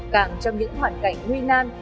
càng trong những hoàn cảnh nguy nan